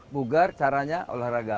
bugar caranya olahraga